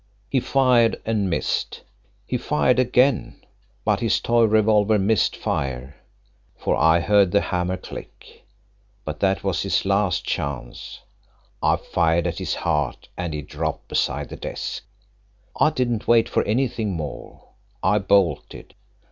He fired and missed. He fired again, but his toy revolver missed fire, for I heard the hammer click. But that was his last chance. I fired at his heart and he dropped beside the desk, I didn't wait for anything more I bolted.